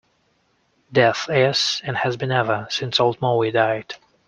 Death is and has been ever since old Maui died.